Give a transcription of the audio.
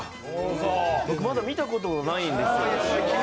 僕まだ見たことないんですよ